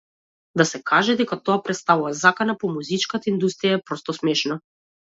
Да се каже дека тоа претставува закана по музичката индустрија е просто смешно.